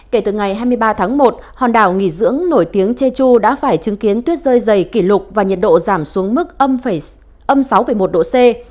kể từ ngày hai mươi ba tháng một hòn đảo nghỉ dưỡng nổi tiếng jeju đã phải chứng kiến tuyết rơi dày kỷ lục và nhiệt độ giảm xuống mức âm sáu một độ c